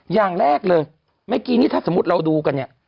อย่างแรกเลยเมื่อกี้นี้ถ้าสมมุติเราดูกันเนี่ย